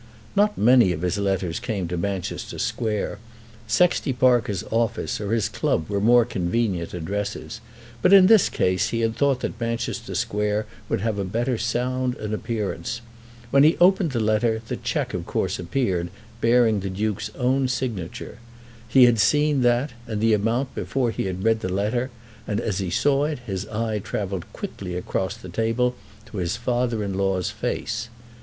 Not many of his letters came to Manchester Square. Sexty Parker's office or his club were more convenient addresses; but in this case he had thought that Manchester Square would have a better sound and appearance. When he opened the letter the cheque of course appeared bearing the Duke's own signature. He had seen that and the amount before he had read the letter, and as he saw it his eye travelled quickly across the table to his father in law's face.